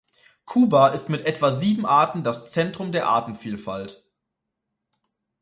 Kuba ist mit etwa sieben Arten das Zentrum der Artenvielfalt.